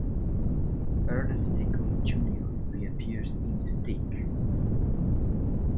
Ernest Stickley, Junior reappears in "Stick".